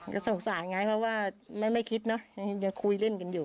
ก็สงสารไงเพราะว่าไม่คิดเนอะยังคุยเล่นกันอยู่